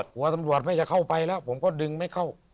ตำรวจไม่จะเข้าไปแล้วผมก็ดึงไม่เข้า